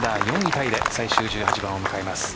タイで最終１８番を迎えます。